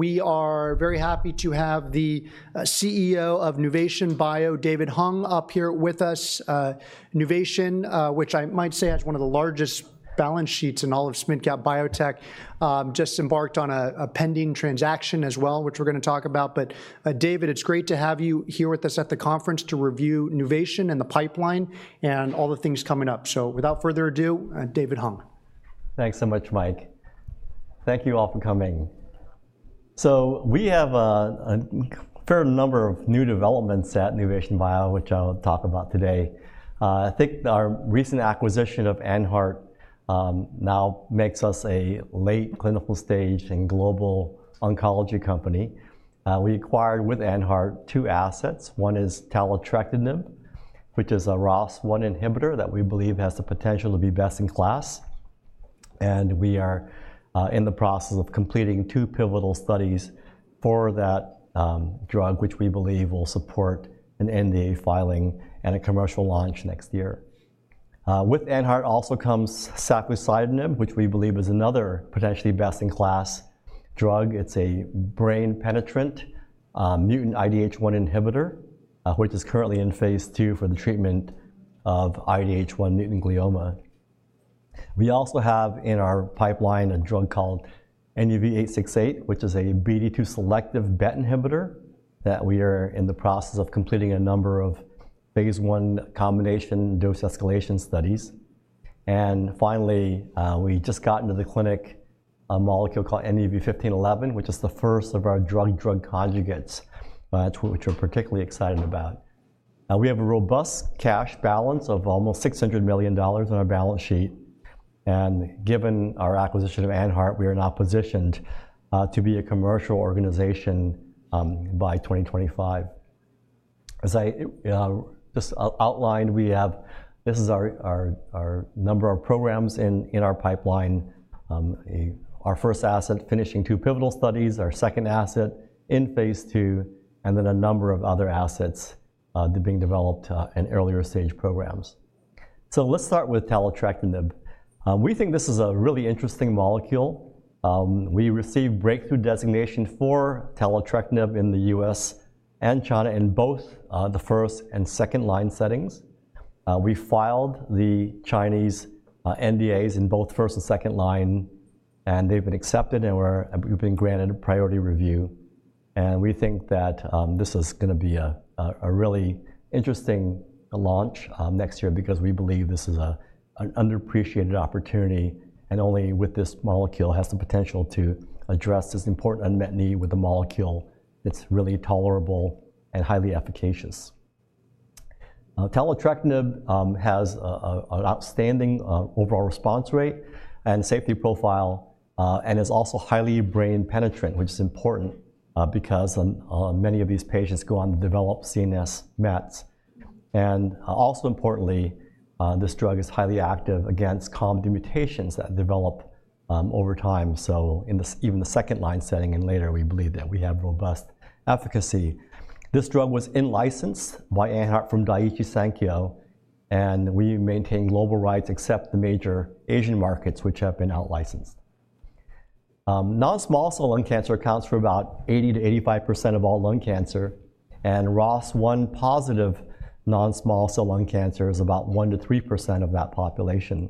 We are very happy to have the CEO of Nuvation Bio, David Hung, up here with us. Nuvation, which I might say has one of the largest balance sheets in all of small-cap biotech, just embarked on a pending transaction as well, which we're gonna talk about. But, David, it's great to have you here with us at the conference to review Nuvation and the pipeline, and all the things coming up. So without further ado, David Hung. Thanks so much, Mike. Thank you all for coming. So we have a fair number of new developments at Nuvation Bio, which I'll talk about today. I think our recent acquisition of AnHeart now makes us a late clinical stage and global oncology company. We acquired with AnHeart two assets. One is taletrectinib, which is a ROS1 inhibitor that we believe has the potential to be best-in-class, and we are in the process of completing two pivotal studies for that drug, which we believe will support an NDA filing and a commercial launch next year. With AnHeart also comes safusidenib, which we believe is another potentially best-in-class drug. It's a brain-penetrant mutant IDH1 inhibitor, which is currently in phase II for the treatment of IDH1 mutant glioma. We also have in our pipeline a drug called NUV-868, which is a BD2 selective BET inhibitor, that we are in the process of completing a number of phase I combination dose escalation studies. And finally, we just got into the clinic a molecule called NUV-1511, which is the first of our drug-drug conjugates, which we're particularly excited about. Now, we have a robust cash balance of almost $600 million on our balance sheet, and given our acquisition of AnHeart, we are now positioned to be a commercial organization by 2025. As I just outlined, we have our number of programs in our pipeline. Our first asset, finishing 2 pivotal studies, our second asset in phase II, and then a number of other assets being developed in earlier stage programs. So let's start with taletrectinib. We think this is a really interesting molecule. We received breakthrough designation for taletrectinib in the U.S. and China in both the first and second-line settings. We filed the Chinese NDAs in both first and second line, and they've been accepted, and we've been granted a priority review. And we think that this is gonna be a really interesting launch next year, because we believe this is an underappreciated opportunity, and only with this molecule, has the potential to address this important unmet need with a molecule that's really tolerable and highly efficacious. Taletrectinib has an outstanding overall response rate and safety profile, and is also highly brain-penetrant, which is important because many of these patients go on to develop CNS mets. Also importantly, this drug is highly active against certain mutations that develop over time. So in the second-line setting and later, we believe that we have robust efficacy. This drug was in-licensed by AnHeart from Daiichi Sankyo, and we maintain global rights except the major Asian markets, which have been out-licensed. Non-small cell lung cancer accounts for about 80%-85% of all lung cancer, and ROS1-positive non-small cell lung cancer is about 1%-3% of that population.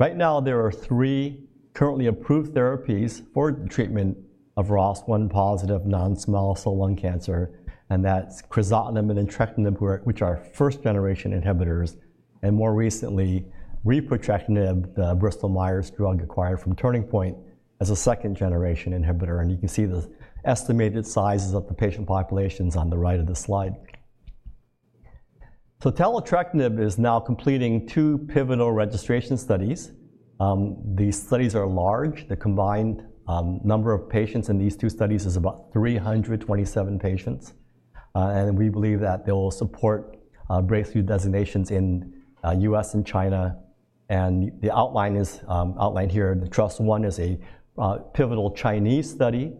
Right now, there are three currently approved therapies for treatment of ROS1-positive non-small cell lung cancer, and that's crizotinib and entrectinib, which are first-generation inhibitors, and more recently, repotrectinib, the Bristol Myers drug acquired from Turning Point, as a second-generation inhibitor, and you can see the estimated sizes of the patient populations on the right of the slide. So taletrectinib is now completing two pivotal registration studies. These studies are large. The combined number of patients in these two studies is about 327 patients, and we believe that they'll support breakthrough designations in the U.S. and China. The outline is outlined here. The TRUST-I is a pivotal Chinese study,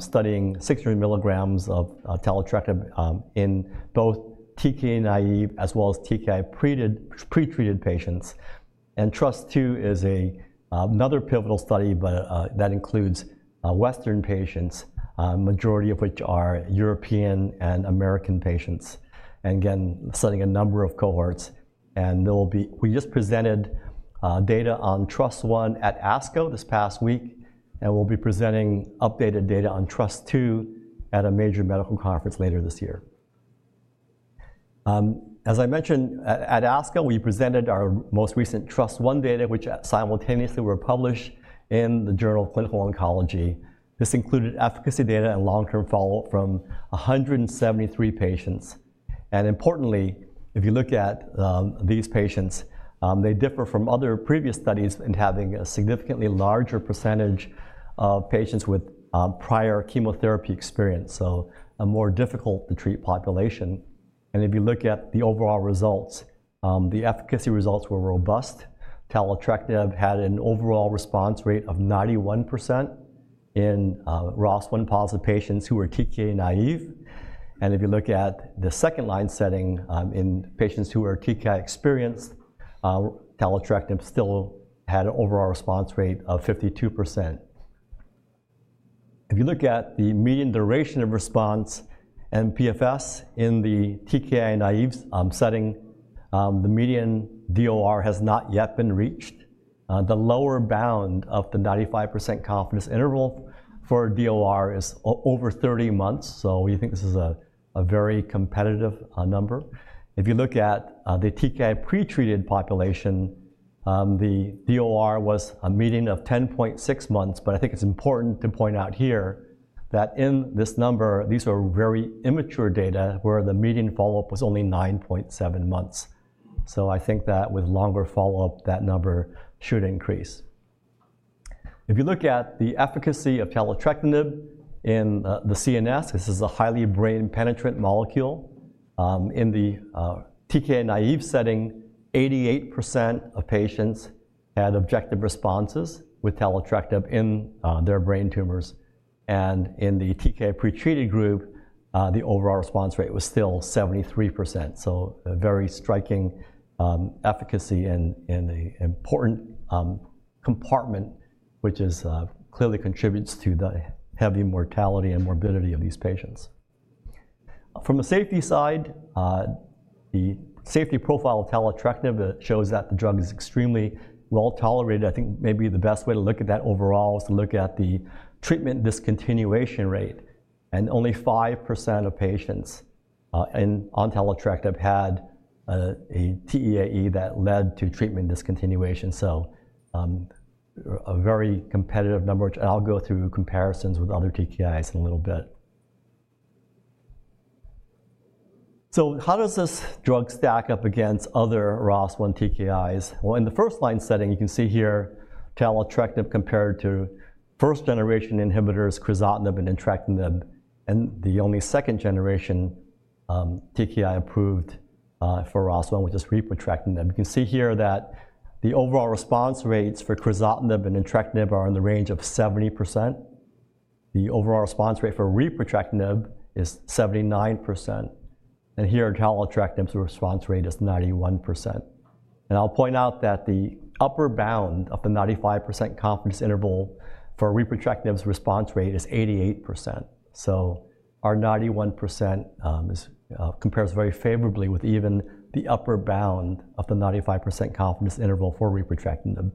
studying 60 milligrams of taletrectinib in both TKI-naïve as well as TKI-pretreated patients. TRUST-II is another pivotal study, but that includes Western patients, majority of which are European and American patients, and again, studying a number of cohorts. We just presented data on TRUST-I at ASCO this past week, and we'll be presenting updated data on TRUST-II at a major medical conference later this year. As I mentioned at ASCO, we presented our most recent TRUST-I data, which simultaneously were published in the Journal of Clinical Oncology. This included efficacy data and long-term follow-up from 173 patients. Importantly, if you look at these patients, they differ from other previous studies in having a significantly larger percentage of patients with prior chemotherapy experience, so a more difficult to treat population. If you look at the overall results, the efficacy results were robust. Taletrectinib had an overall response rate of 91% in ROS1-positive patients who were TKI-naïve. If you look at the second-line setting, in patients who were TKI-experienced, taletrectinib still had an overall response rate of 52%. If you look at the median duration of response and PFS in the TKI-naïve setting, the median DOR has not yet been reached. The lower bound of the 95% confidence interval for DOR is over 30 months, so we think this is a very competitive number. If you look at the TKI pre-treated population, the DOR was a median of 10.6 months, but I think it's important to point out here that in this number, these are very immature data, where the median follow-up was only 9.7 months. So I think that with longer follow-up, that number should increase. If you look at the efficacy of taletrectinib in the CNS, this is a highly brain-penetrant molecule. In the TKI-naïve setting, 88% of patients had objective responses with taletrectinib in their brain tumors, and in the TKI pre-treated group, the overall response rate was still 73%, so a very striking efficacy in an important compartment, which clearly contributes to the heavy mortality and morbidity of these patients. From a safety side, the safety profile of taletrectinib shows that the drug is extremely well-tolerated. I think maybe the best way to look at that overall is to look at the treatment discontinuation rate, and only 5% of patients on taletrectinib had a TEAE that led to treatment discontinuation, so a very competitive number, which I'll go through comparisons with other TKIs in a little bit. So how does this drug stack up against other ROS1 TKIs? Well, in the first-line setting, you can see here, taletrectinib compared to first-generation inhibitors, crizotinib and entrectinib, and the only second-generation TKI approved for ROS1, which is repotrectinib. You can see here that the overall response rates for crizotinib and entrectinib are in the range of 70%. The overall response rate for repotrectinib is 79%, and here, taletrectinib's response rate is 91%. I'll point out that the upper bound of the 95% confidence interval for repotrectinib's response rate is 88%. So our 91% compares very favorably with even the upper bound of the 95% confidence interval for repotrectinib.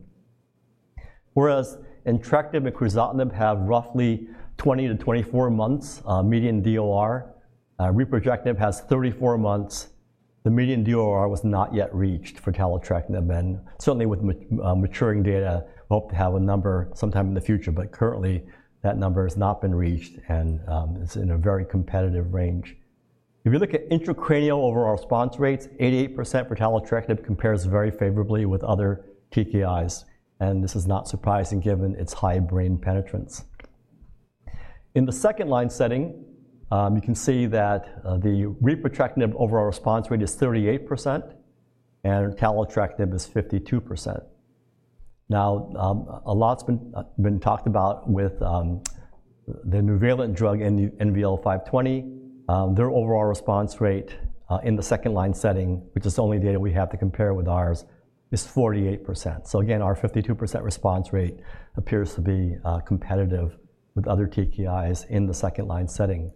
Whereas entrectinib and crizotinib have roughly 20-24 months median DOR, repotrectinib has 34 months. The median DOR was not yet reached for taletrectinib, and certainly with maturing data, we hope to have a number sometime in the future, but currently, that number has not been reached, and it's in a very competitive range. If you look at intracranial overall response rates, 88% for taletrectinib compares very favorably with other TKIs, and this is not surprising, given its high brain penetrance. In the second-line setting, you can see that the repotrectinib overall response rate is 38%, and taletrectinib is 52%. Now, a lot's been talked about with the Nuvalent drug, NVL-520. Their overall response rate in the second-line setting, which is the only data we have to compare with ours, is 48%. So again, our 52% response rate appears to be, competitive with other TKIs in the second-line setting.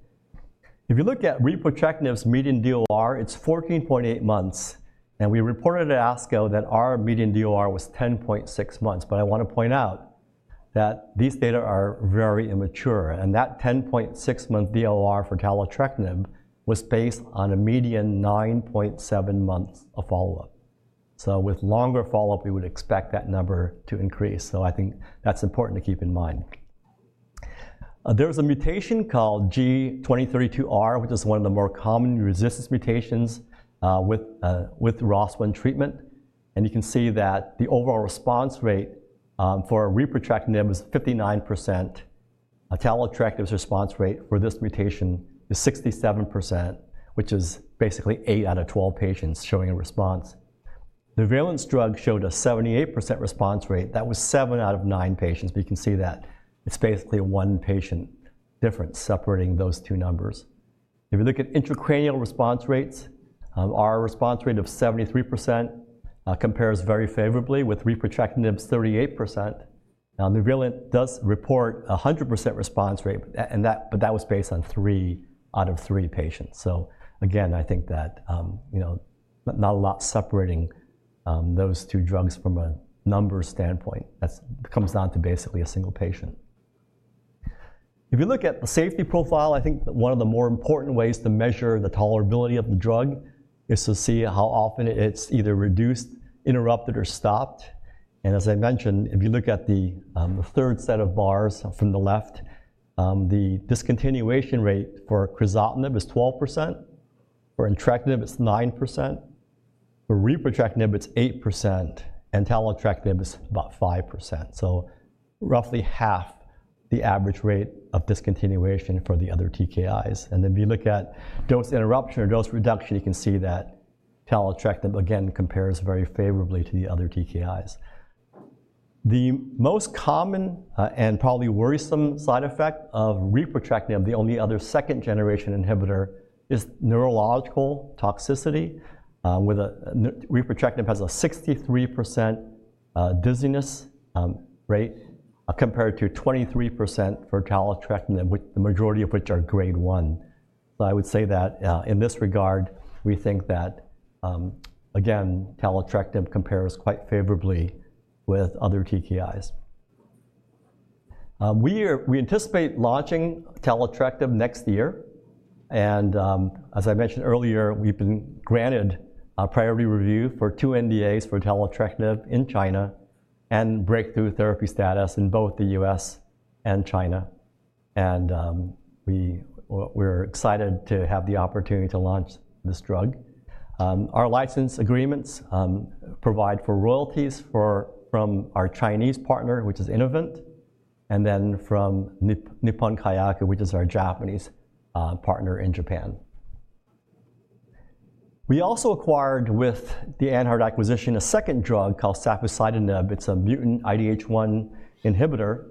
If you look at repotrectinib's median DOR, it's 14.8 months, and we reported at ASCO that our median DOR was 10.6 months. But I wanna point out that these data are very immature, and that 10.6-month DOR for taletrectinib was based on a median 9.7 months of follow-up. So with longer follow-up, we would expect that number to increase, so I think that's important to keep in mind. There's a mutation called G2032R, which is one of the more common resistance mutations, with, with ROS1 treatment, and you can see that the overall response rate, for repotrectinib is 59%. Taletrectinib's response rate for this mutation is 67%, which is basically 8 out of 12 patients showing a response. The Nuvalent drug showed a 78% response rate. That was 7 out of 9 patients, but you can see that it's basically one patient difference separating those two numbers. If you look at intracranial response rates, our response rate of 73% compares very favorably with repotrectinib's 38%. Now, Nuvalent does report a 100% response rate, but that but that was based on 3 out of 3 patients. So again, I think that, you know, not, not a lot separating those two drugs from a numbers standpoint. That comes down to basically a single patient. If you look at the safety profile, I think one of the more important ways to measure the tolerability of the drug is to see how often it's either reduced, interrupted, or stopped. And as I mentioned, if you look at the third set of bars from the left, the discontinuation rate for crizotinib is 12%, for entrectinib, it's 9%, for repotrectinib, it's 8%, and taletrectinib is about 5%, so roughly half the average rate of discontinuation for the other TKIs. And then, if you look at dose interruption or dose reduction, you can see that taletrectinib, again, compares very favorably to the other TKIs. The most common and probably worrisome side effect of repotrectinib, the only other second-generation inhibitor, is neurological toxicity with repotrectinib has a 63% dizziness rate compared to 23% for taletrectinib, which the majority of which are grade one. So I would say that in this regard, we think that again, taletrectinib compares quite favorably with other TKIs. We anticipate launching taletrectinib next year, and as I mentioned earlier, we've been granted a priority review for 2 NDAs for taletrectinib in China and breakthrough therapy status in both the U.S. and China, and we, well, we're excited to have the opportunity to launch this drug. Our license agreements provide for royalties from our Chinese partner, which is Innovent, and then from Nippon Kayaku, which is our Japanese partner in Japan. We also acquired, with the AnHeart acquisition, a second drug called safusidenib. It's a mutant IDH1 inhibitor,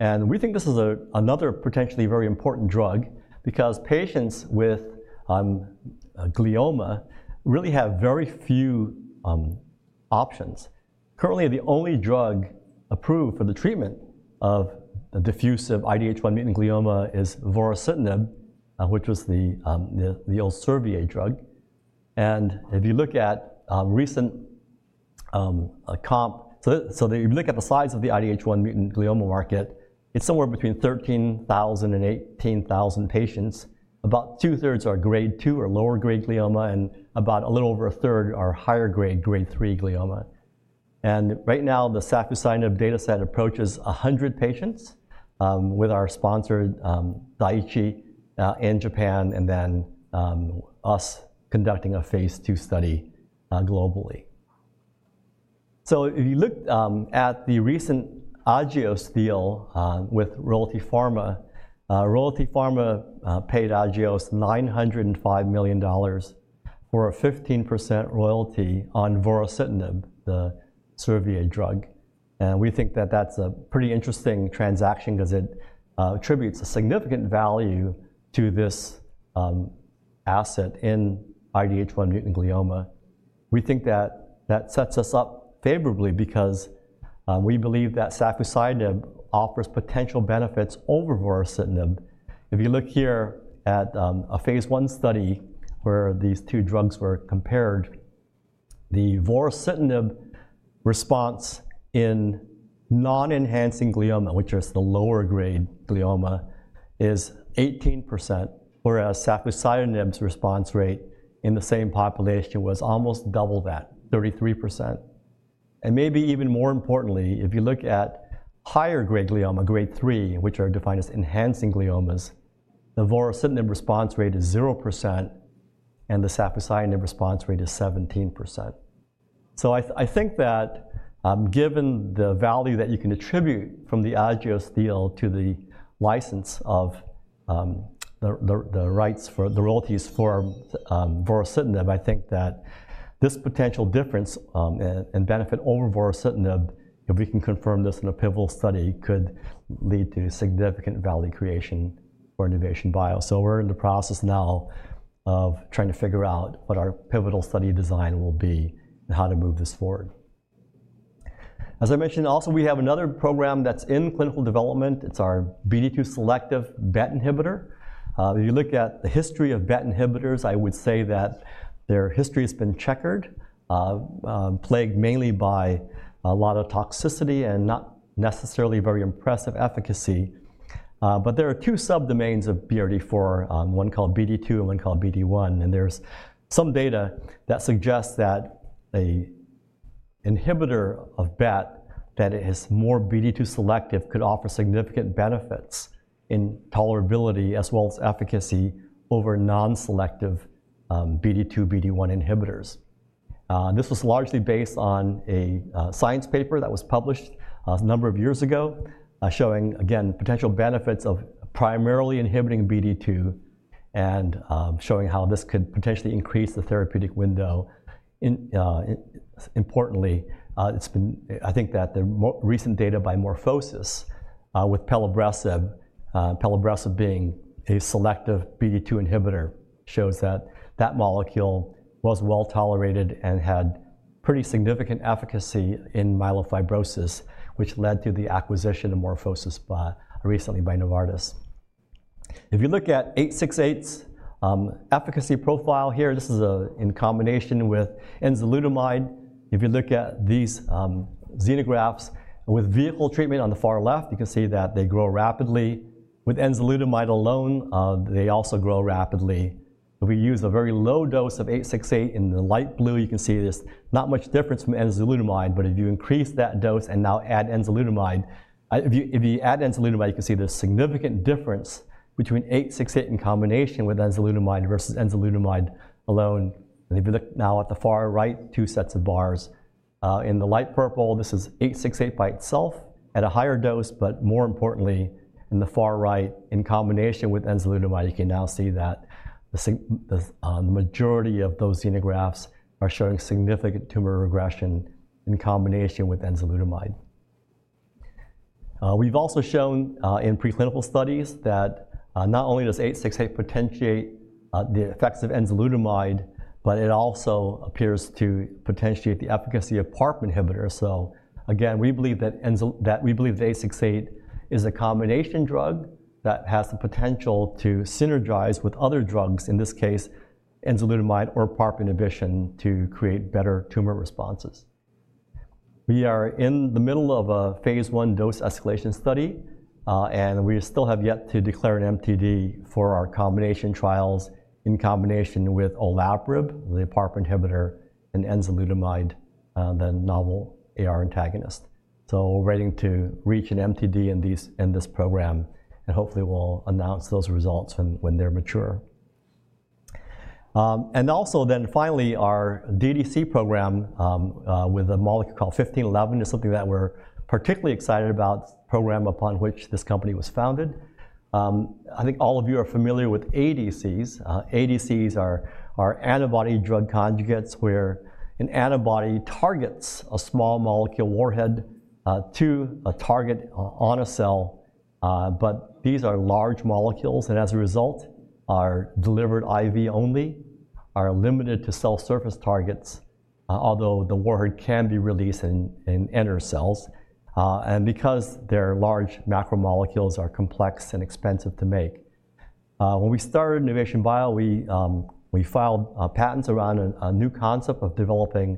and we think this is a another potentially very important drug because patients with glioma really have very few options. Currently, the only drug approved for the treatment of the diffuse IDH1 mutant glioma is vorasidenib, which was the the Servier drug. So, if you look at the size of the IDH1 mutant glioma market, it's somewhere between 13,000 and 18,000 patients. About two-thirds are grade 2 or lower grade glioma, and about a little over a third are higher grade, grade 3 glioma. And right now, the safusidenib data set approaches 100 patients, with our sponsor, Daiichi, in Japan, and then us conducting a phase II study, globally. So if you look at the recent Agios deal with Royalty Pharma, Royalty Pharma paid Agios $905 million for a 15% royalty on vorasidenib, the Servier drug. We think that that's a pretty interesting transaction because it attributes a significant value to this asset in IDH1 mutant glioma. We think that that sets us up favorably because we believe that safusidenib offers potential benefits over vorasidenib. If you look here at a phase I study where these two drugs were compared, the vorasidenib response in non-enhancing glioma, which is the lower grade glioma, is 18%, whereas safusidenib's response rate in the same population was almost double that, 33%. Maybe even more importantly, if you look at higher-grade glioma, grade three, which are defined as enhancing gliomas, the vorasidenib response rate is 0%, and the safusidenib response rate is 17%. I think that, given the value that you can attribute from the Agios deal to the license of the rights for the royalties for vorasidenib, I think that this potential difference and benefit over vorasidenib, if we can confirm this in a pivotal study, could lead to significant value creation for Nuvation Bio. We're in the process now of trying to figure out what our pivotal study design will be and how to move this forward. As I mentioned, also, we have another program that's in clinical development. It's our BD2 selective BET inhibitor. If you look at the history of BET inhibitors, I would say that their history has been checkered, plagued mainly by a lot of toxicity and not necessarily very impressive efficacy. But there are two subdomains of BRD4, one called BD2 and one called BD1, and there's some data that suggests that a inhibitor of BET that is more BD2 selective could offer significant benefits in tolerability as well as efficacy over non-selective, BD2, BD1 inhibitors. This was largely based on a science paper that was published a number of years ago, showing, again, potential benefits of primarily inhibiting BD2 and showing how this could potentially increase the therapeutic window. Importantly, I think that the most recent data by MorphoSys with pelabresib, pelabresib being a selective BD2 inhibitor, shows that that molecule was well-tolerated and had pretty significant efficacy in myelofibrosis, which led to the acquisition of MorphoSys by Novartis recently. If you look at NUV-868's efficacy profile here, this is in combination with enzalutamide. If you look at these xenografts, with vehicle treatment on the far left, you can see that they grow rapidly. With enzalutamide alone, they also grow rapidly. If we use a very low dose of 868 in the light blue, you can see there's not much difference from enzalutamide, but if you increase that dose and now add enzalutamide, if you add enzalutamide, you can see there's significant difference between 868 in combination with enzalutamide versus enzalutamide alone. And if you look now at the far right, two sets of bars, in the light purple, this is 868 by itself at a higher dose, but more importantly, in the far right, in combination with enzalutamide, you can now see that the majority of those xenografts are showing significant tumor regression in combination with enzalutamide. We've also shown in preclinical studies that not only does NUV-868 potentiate the effects of enzalutamide, but it also appears to potentiate the efficacy of PARP inhibitor. So again, we believe that we believe NUV-868 is a combination drug that has the potential to synergize with other drugs, in this case, enzalutamide or PARP inhibition, to create better tumor responses. We are in the middle of a phase I dose-escalation study, and we still have yet to declare an MTD for our combination trials in combination with olaparib, the PARP inhibitor, and enzalutamide, the novel AR antagonist. So we're waiting to reach an MTD in this program, and hopefully we'll announce those results when they're mature. And also then finally, our DDC program with a molecule called NUV-1511 is something that we're particularly excited about, program upon which this company was founded. I think all of you are familiar with ADCs. ADCs are antibody-drug conjugates, where an antibody targets a small molecule warhead to a target on a cell. But these are large molecules, and as a result, are delivered IV only, are limited to cell surface targets, although the warhead can be released in inner cells, and because they're large macromolecules, are complex and expensive to make. When we started Nuvation Bio, we filed patents around a new concept of developing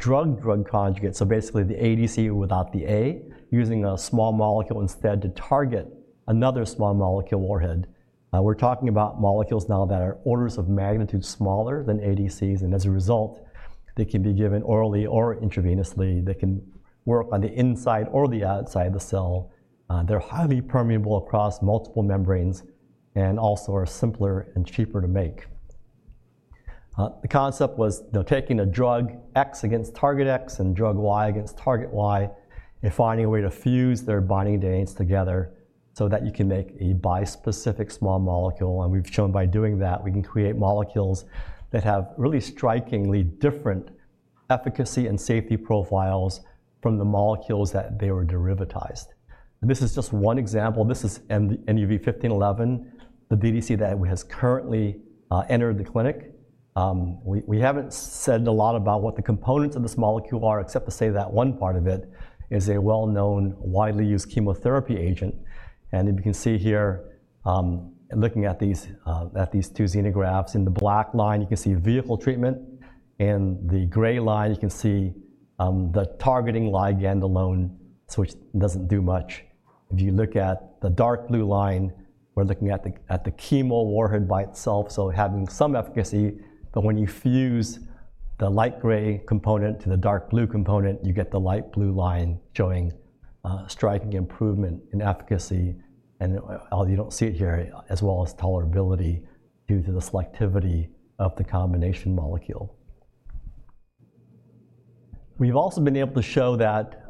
drug-drug conjugates, so basically the ADC without the A, using a small molecule instead to target another small molecule warhead. We're talking about molecules now that are orders of magnitude smaller than ADCs, and as a result, they can be given orally or intravenously. They can work on the inside or the outside of the cell. They're highly permeable across multiple membranes and also are simpler and cheaper to make. The concept was, they're taking a drug X against target X and drug Y against target Y, and finding a way to fuse their binding domains together so that you can make a bispecific small molecule. And we've shown by doing that, we can create molecules that have really strikingly different efficacy and safety profiles from the molecules that they were derivatized. This is just one example. This is NUV-1511, the DDC that has currently entered the clinic. We haven't said a lot about what the components of this molecule are, except to say that one part of it is a well-known, widely used chemotherapy agent. You can see here, looking at these two xenografts, in the black line, you can see vehicle treatment, in the gray line, you can see the targeting ligand alone, so which doesn't do much. If you look at the dark blue line, we're looking at the chemo warhead by itself, so having some efficacy, but when you fuse the light gray component to the dark blue component, you get the light blue line showing striking improvement in efficacy, and you don't see it here, as well as tolerability due to the selectivity of the combination molecule. We've also been able to show that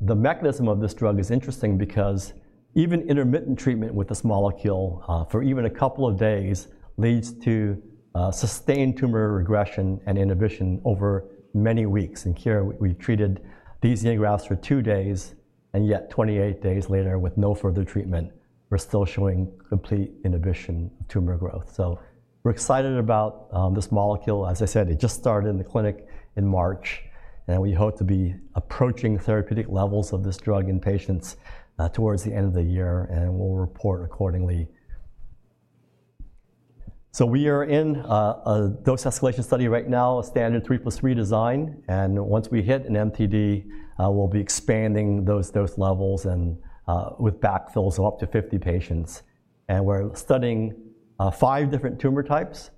the mechanism of this drug is interesting because even intermittent treatment with this molecule for even a couple of days leads to sustained tumor regression and inhibition over many weeks. In here, we treated these xenografts for 2 days, and yet 28 days later, with no further treatment, we're still showing complete inhibition of tumor growth. So we're excited about this molecule. As I said, it just started in the clinic in March, and we hope to be approaching therapeutic levels of this drug in patients towards the end of the year, and we'll report accordingly. So we are in a dose-escalation study right now, a standard 3 + 3 design, and once we hit an MTD, we'll be expanding those dose levels and with backfills up to 50 patients. We're studying 5 different tumor types.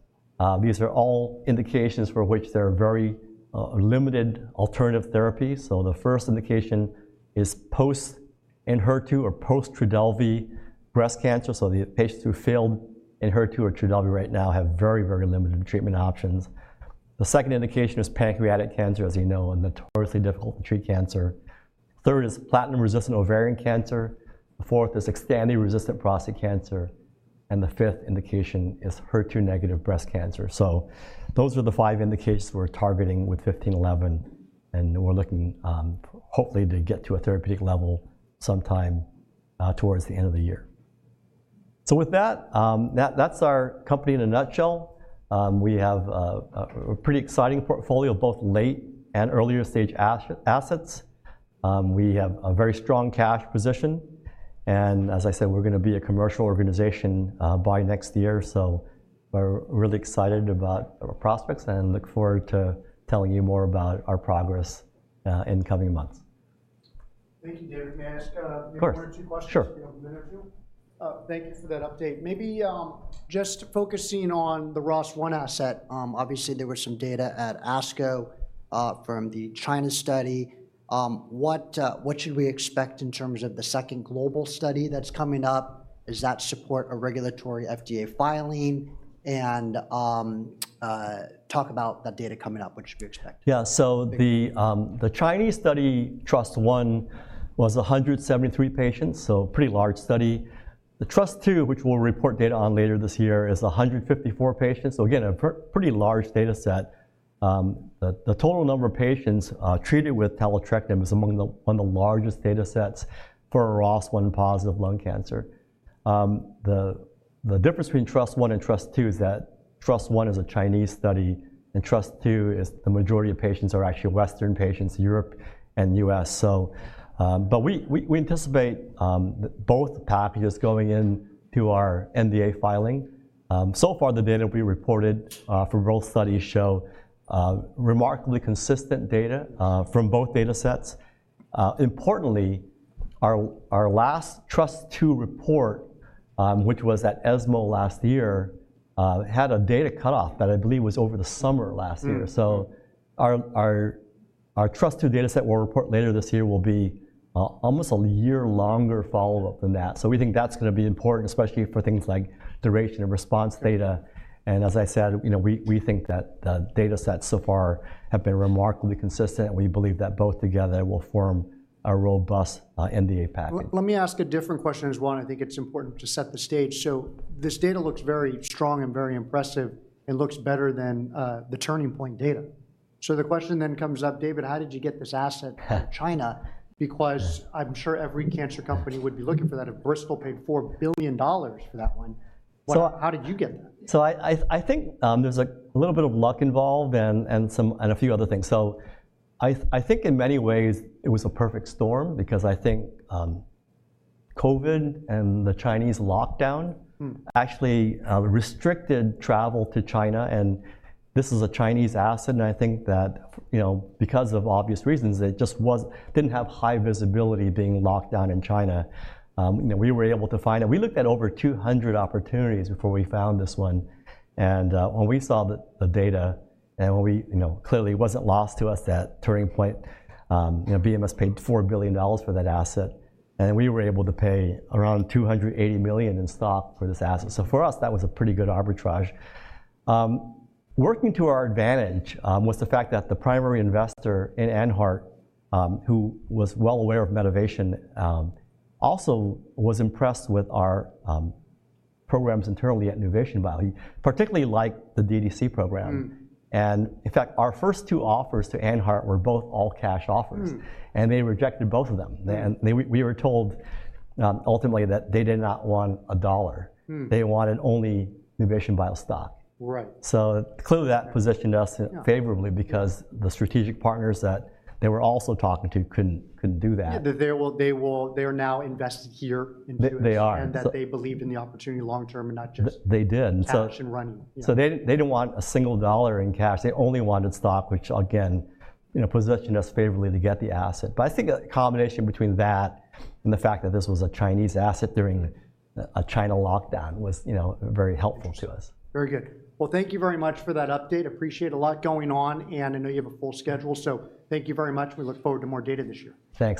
These are all indications for which there are very limited alternative therapies. So the first indication is post-Anheart or post-Trodelvy breast cancer. So the patients who failed Anheart or Trodelvy right now have very, very limited treatment options. The second indication is pancreatic cancer, as you know, a notoriously difficult to treat cancer. Third is platinum-resistant ovarian cancer, the fourth is castrate-resistant prostate cancer, and the fifth indication is HER2-negative breast cancer. So those are the 5 indications we're targeting with NUV-1511, and we're looking, hopefully to get to a therapeutic level sometime, towards the end of the year. So with that, that's our company in a nutshell. We have a pretty exciting portfolio, both late- and early-stage assets. We have a very strong cash position, and as I said, we're gonna be a commercial organization by next year. So we're really excited about our prospects and look forward to telling you more about our progress in the coming months. Thank you, David. May I ask? Of course. One or two questions? Sure. Thank you. Thank you for that update. Maybe, just focusing on the ROS1 asset, obviously, there were some data at ASCO, from the China study. What, what should we expect in terms of the second global study that's coming up? Does that support a regulatory FDA filing? And, talk about that data coming up. What should we expect? Yeah, so the Thank you. The Chinese study, TRUST-I, was 173 patients, so pretty large study. The TRUST-II, which we'll report data on later this year, is 154 patients, so again, a pretty large data set, the total number of patients treated with taletrectinib is among the one of the largest datasets for ROS1 positive lung cancer. The difference between TRUST-I and TRUST-II is that TRUST-I is a Chinese study, and TRUST-II is, the majority of patients are actually Western patients, Europe and U.S. So, but we anticipate both populations going into our NDA filing. So far the data we reported for both studies show remarkably consistent data from both datasets. Importantly, our last TRUST-II report, which was at ESMO last year, had a data cutoff that I believe was over the summer last year. Mm. So our TRUST-II dataset we'll report later this year will be almost a year longer follow-up than that. So we think that's gonna be important, especially for things like duration of response data. And as I said, you know, we think that the datasets so far have been remarkably consistent, and we believe that both together will form a robust NDA package. Let me ask a different question, as well, and I think it's important to set the stage. So this data looks very strong and very impressive. It looks better than the Turning Point data. So the question then comes up, David, how did you get this asset from China? Yeah. Because I'm sure every cancer company would be looking for that if Bristol paid $4 billion for that one. So. How did you get that? So I think there's a little bit of luck involved and a few other things. So I think in many ways it was a perfect storm, because I think COVID and the Chinese lockdown. Mm Actually, restricted travel to China, and this is a Chinese asset, and I think that you know, because of obvious reasons, it just didn't have high visibility being locked down in China. You know, we were able to find it. We looked at over 200 opportunities before we found this one, and when we saw the data, and when we. You know, clearly it wasn't lost to us that Turning Point, you know, BMS paid $4 billion for that asset, and we were able to pay around $280 million in stock for this asset. So for us, that was a pretty good arbitrage. Working to our advantage was the fact that the primary investor in AnHeart, who was well aware of Medivation, also was impressed with our programs internally at Nuvation Bio, particularly like the DDC program. Mm. In fact, our first two offers to Anheart were both all-cash offers. Mm. They rejected both of them. Yeah. We were told, ultimately, that they did not want a dollar. Mm. They wanted only Nuvation Bio stock. Right. Clearly, that positioned us. Yeah Favorably because the strategic partners that they were also talking to couldn't do that. Yeah, they will. They are now invested here in. They are And that they believed in the opportunity long term, and not just. They did, so. Cash and run, you know. So they didn't want a single dollar in cash. They only wanted stock, which again, you know, positioned us favorably to get the asset. But I think a combination between that and the fact that this was a Chinese asset during a China lockdown was, you know, very helpful to us. Very good. Well, thank you very much for that update. Appreciate a lot going on, and I know you have a full schedule, so thank you very much. We look forward to more data this year. Thanks.